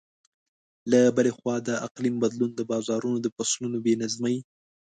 له بلې خوا، د اقلیم بدلون د بارانونو د فصلونو بې نظمۍ.